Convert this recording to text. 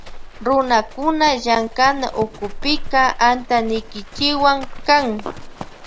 Runakuna llamkanawkupika antanikichikwan kan.